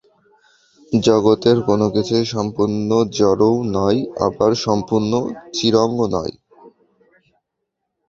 জগতের কোন কিছুই সম্পূর্ণ জড়ও নয়, আবার সম্পূর্ণ চিৎও নয়।